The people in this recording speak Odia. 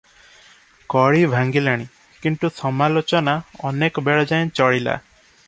କଳି ଭାଙ୍ଗିଲାଣି; କିନ୍ତୁ ସମାଲୋଚନା ଅନେକ ବେଳ ଯାଏ ଚଳିଲା ।